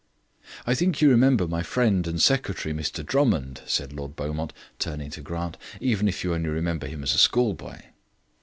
"I think you remember my friend and secretary, Mr Drummond," said Lord Beaumont, turning to Grant, "even if you only remember him as a schoolboy."